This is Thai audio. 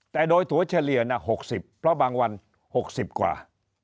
แต่โดยถั่วเฉลี่ย๖๐เพราะบางวัน๖๐กว่า